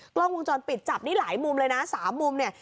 กล้องวงจรปิดจับนี่หลายมุมเลยนะสามมุมเนี่ย